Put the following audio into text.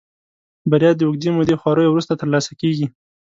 بريا د اوږدې مودې خواريو وروسته ترلاسه کېږي.